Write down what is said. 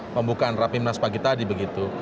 pembukaan rapimnas pagi tadi begitu